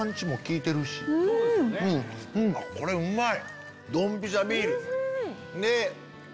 これうまい！